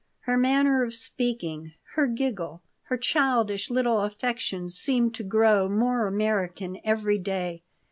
Her manner of speaking, her giggle, her childish little affectations seemed to grow more American every day.